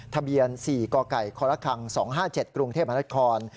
ทะเบียน๔กค๒๕๗กรุงเทพฯบรรทคล